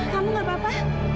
kamu gak apa apa